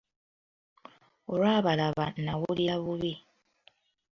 Olwabalaba n'awulira bubi.